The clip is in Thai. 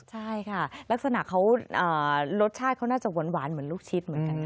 ใช่ค่ะลักษณะเขารสชาติเขาน่าจะหวานเหมือนลูกชิ้นเหมือนกัน